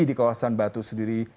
di kawasan batu sendiri